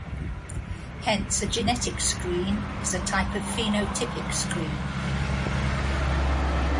Hence a genetic screen is a type of phenotypic screen.